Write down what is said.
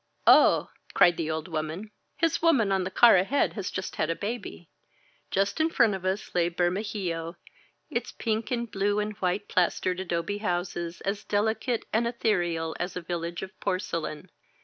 "Oh!" cried the old woman. "His woman on the car ahead has just had a baby!" Just in front of us lay Bermejillo, its pink and blue and white plastered adobe houses as delicate and ethe real as a village of porcelain.